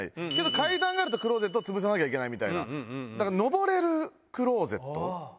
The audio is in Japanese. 階段があるとクローゼットをつぶさなきゃいけない。